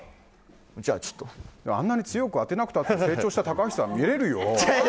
あんなに強く当てなくたって成長した高橋さん見れるよ。